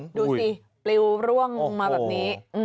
ดูสิปลิวร่วงลงมาแบบนี้